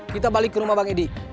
kita balik ke rumah bang edi